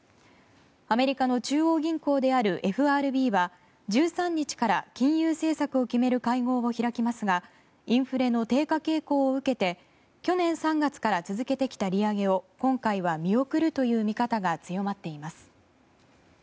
アメリカの中央銀行であるＦＲＢは１３日から、金融政策を決める会合を開きますがインフレの低下傾向を受けて去年３月から続けてきた利上げを今回は見送るという見方が強まっています。